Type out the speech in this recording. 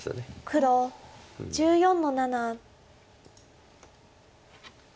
黒１４の七。